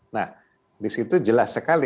nah di situ jelas sekali